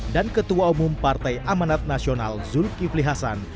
dan ketua umum partai amanat nasional zulkifli hasan